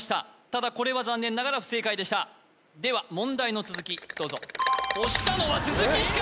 ただこれは残念ながら不正解でしたでは問題の続きどうぞ押したのは鈴木光！